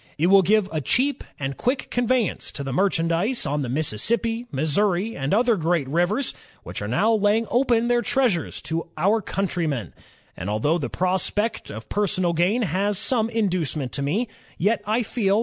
It will give a cheap and quick conveyance to the merchandise on the Mississippi, Missouri, and other great rivers, which are now laying open their treasures to our countrymen; and although the prospect of personal gain has been some inducement to me, yet I feel